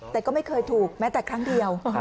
แต่ก็ไม่เคยถูกแม้แต่ครั้งเดียว